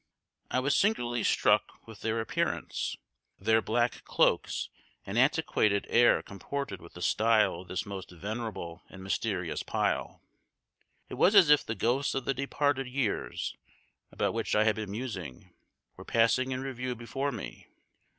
I was singularly struck with their appearance; their black cloaks and antiquated air comported with the style of this most venerable and mysterious pile. It was as if the ghosts of the departed years, about which I had been musing, were passing in review before me.